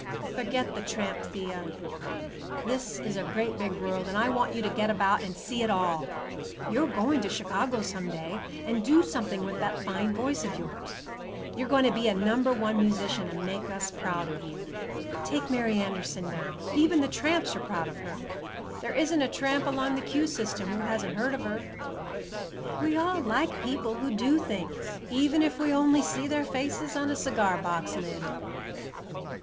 "Forget the tramp, Thea. This is a great big world, and I want you to get about and see it all. You're going to Chicago some day, and do something with that fine voice of yours. You're going to be a number one musician and make us proud of you. Take Mary Anderson, now; even the tramps are proud of her. There isn't a tramp along the 'Q' system who hasn't heard of her. We all like people who do things, even if we only see their faces on a cigar box lid."